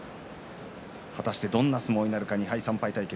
果たしてどんな相撲になるか２敗、３敗対決。